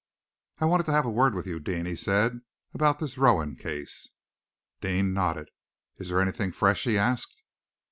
"I wanted to have a word with you, Deane," he said, "about this Rowan case." Deane nodded. "Is there anything fresh?" he asked.